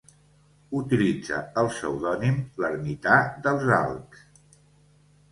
Utilitzà el pseudònim l'Ermità dels Alps.